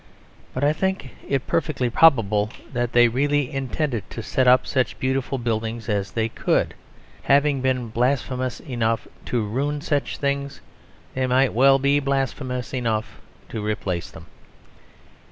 But I think it perfectly probable that they really intended to set up such beautiful buildings as they could. Having been blasphemous enough to ruin such things, they might well be blasphemous enough to replace them.